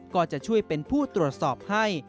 ก็จะช่วยเป็นผู้ตรวจสอบให้